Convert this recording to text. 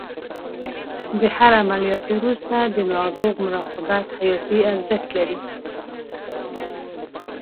د هر عملیات وروسته د ناروغ مراقبت حیاتي ارزښت لري.